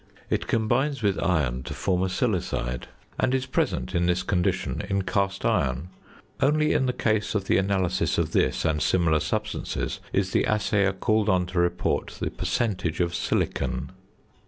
It combines with iron to form a silicide; and is present in this condition in cast iron. Only in the case of the analysis of this and similar substances is the assayer called on to report the percentage of silicon.